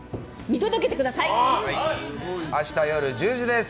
明日夜１０時です！